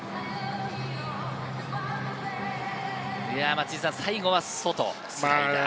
松井さん、最後は外、スライダー。